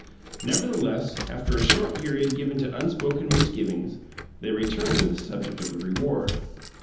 Nevertheless, after a short period given to unspoken misgivings, they returned to the subject of the reward.